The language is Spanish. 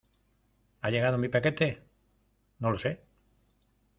¿ Ha llegado mi paquete? No lo sé.